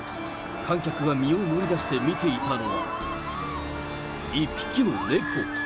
観客が身を乗り出して見ていたのは、１匹の猫。